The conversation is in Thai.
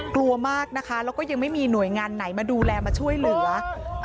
กลัวมากนะคะแล้วก็ยังไม่มีหน่วยงานไหนมาดูแลมาช่วยเหลือ